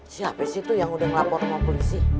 si habis itu yang udah ngelapor sama polisi